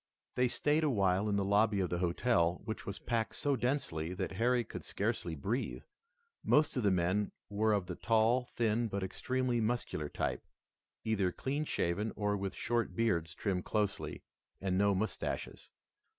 They stayed a while in the lobby of the hotel, which was packed so densely that Harry could scarcely breathe. Most of the men were of the tall, thin but extremely muscular type, either clean shaven or with short beards trimmed closely, and no mustaches.